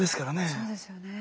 そうですよね。